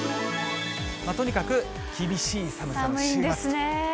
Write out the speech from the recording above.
とにかく厳しい寒さの週末と。